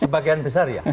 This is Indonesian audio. sebagian besar ya